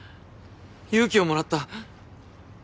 勇気をもらった。